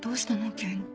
急に。